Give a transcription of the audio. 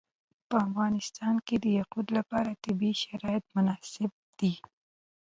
په افغانستان کې د یاقوت لپاره طبیعي شرایط مناسب دي.